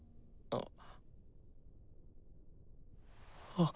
あっ。